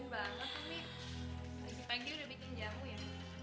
lagi pagi udah bikin jamu ya